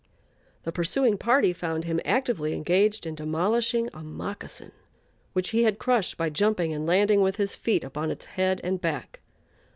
The pursuing party found him actively engaged in demolishing a moccasin, which he had crushed by jumping and landing with his feet upon its head and back.